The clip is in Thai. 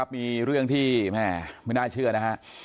มีเรื่องที่ไม่น่าเชื่อนะครับ